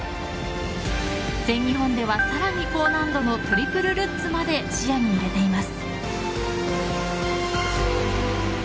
全日本ではさらに高難度のトリプルルッツまで視野に入れています。